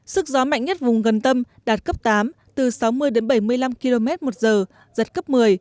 sức gió mạnh nhất vùng gần tâm đạt cấp tám từ sáu mươi đến bảy mươi năm km một giờ giật cấp một mươi